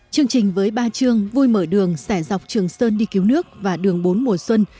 chương trình với ba chương vui mở đường sẻ dọc trường sơn đi cứu nước và đường bốn mùa xuân